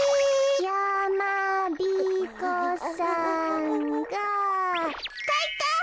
やまびこさんがかいか！